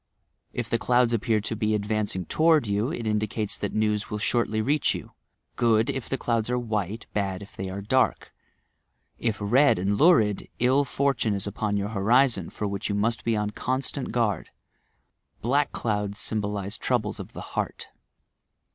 If the clouds appear to be advancing toward you, it indicates that news will shortly reach you, good, — if the clouds are white, bad, if they are dark. If red and lurid, ill fortune is upon your horizon, for which you must be on constant guard. Black clouds symbolize troubles of the heart.